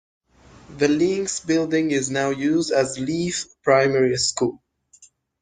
The Links building is now used as Leith Primary School.